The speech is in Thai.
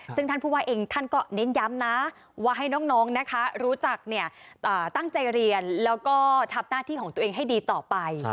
ซึ่งท่านผู้ว่าเองท่านก็เน้นย้ำนะว่าให้น้องนะคะรู้จักตั้งใจเรียนแล้วก็ทำหน้าที่ของตัวเองให้ดีต่อไป